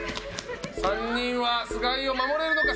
３人は菅井を守れるのか。